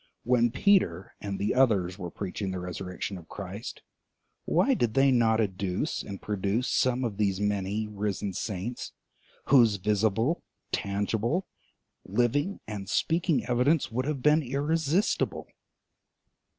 When Peter and the others were preaching the resurrection of Christ, why did they not adduce and produce some of these many, risen saints, whose visible, tangible, living and speaking evidence would have been irresistible?